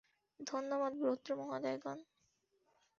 ধন্যবাদ, ভদ্রমহোদয়গণ।